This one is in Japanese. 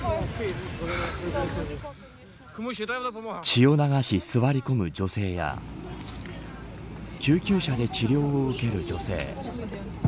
血を流し座り込む女性や救急車で治療を受ける女性。